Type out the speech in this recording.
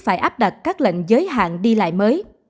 phải áp đặt các lệnh giới hạn đi lại mới